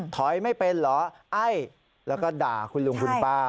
ไม่เป็นเหรอไอ้แล้วก็ด่าคุณลุงคุณป้า